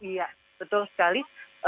iya betul sekali